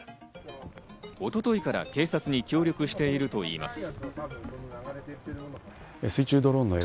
一昨日から警察に協力しているといいます。